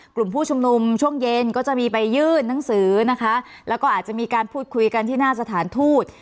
กลุ่มผู้ชุมนุมช่วงเย็นก็จะมีไปยื่นหนังสือนะคะแล้วก็อาจจะมีการพูดคุยกันที่หน้าสถานทูต